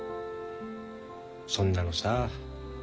そんなのさあ